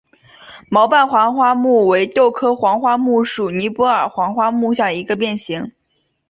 毛瓣黄花木为豆科黄花木属尼泊尔黄花木下的一个变型。